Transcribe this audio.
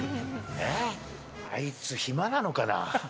あいつ、暇なのかな？